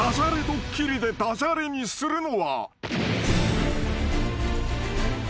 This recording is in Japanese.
ドッキリでダジャレにするのは］